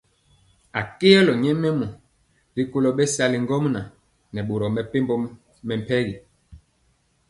Akɛolo nyɛmemɔ rikolo bɛsali ŋgomnaŋ nɛ boro mepempɔ mɛmpegi.